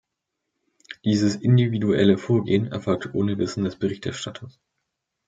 Dieses individuelle Vorgehen erfolgte ohne Wissen des Berichterstatters.